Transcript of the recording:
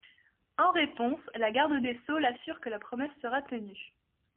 En réponse, le Garde des Sceaux l’assure que la promesse sera tenue.